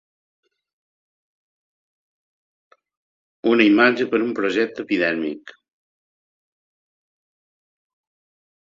Una imatge per un projecte epidèrmic.